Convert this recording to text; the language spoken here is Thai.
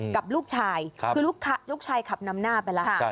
กับลูกชายคือลูกชายขับนำหน้าไปแล้ว